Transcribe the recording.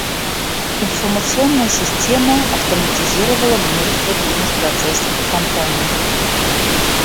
Информационная система автоматизировала множество бизнес-процессов в компании.